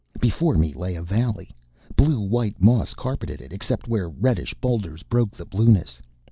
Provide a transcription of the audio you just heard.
Before me lay a valley. Blue white moss carpeted it except where reddish boulders broke the blueness.